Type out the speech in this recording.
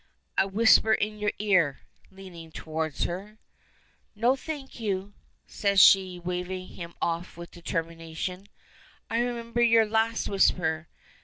"A whisper in your ear," leaning toward her. "No, thank you," says she, waving him off with determination. "I remember your last whisper.